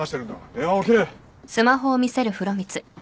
電話を切れ！